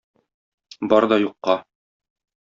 Бар да юкка!